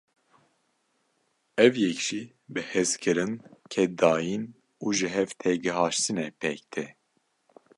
Ev yek jî bi hezkirin, keddayîn û jihevtêgihaştinê pêk tê.